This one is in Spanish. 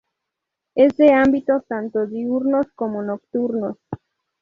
Es de hábitos tanto diurnos como nocturnos.